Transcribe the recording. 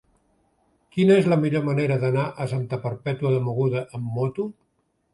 Quina és la millor manera d'anar a Santa Perpètua de Mogoda amb moto?